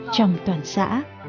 trong toàn xã